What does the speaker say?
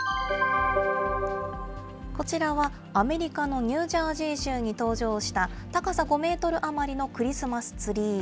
こちらは、アメリカのニュージャージー州に登場した、高さ５メートル余りのクリスマスツリー。